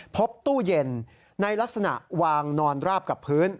พบตู้เย็นในลักษณะวางนอนราบกับพื้น